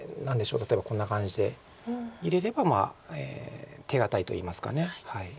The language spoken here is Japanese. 例えばこんな感じで入れれば手堅いといいますか。